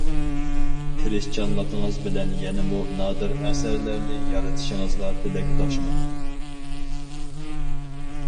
تىرىشچانلىقىڭىز بىلەن يەنىمۇ نادىر ئەسەرلەرنى يارىتىشىڭىزغا تىلەكداشمەن.